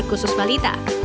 fotografer khusus balita